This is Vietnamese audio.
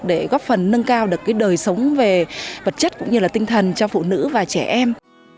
để góp phần nâng cao được đời sống về vật chất cũng như là tinh thần cho phụ nữ và trẻ em